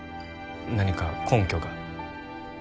何か根拠が？